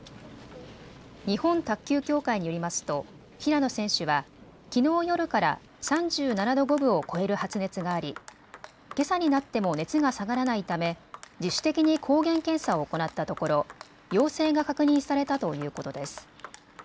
日本卓球協会によりますと平野選手は、きのう夜から３７度５分を超える発熱がありけさになっても熱が下がらないため、自主的に抗原検査を行ったところ陽性が確認されたということです。